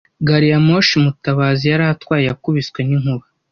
Gari ya moshi Mutabazi yari atwaye yakubiswe n'inkuba.